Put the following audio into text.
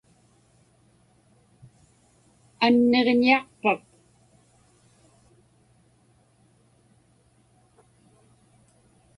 Anniġñiaqpak?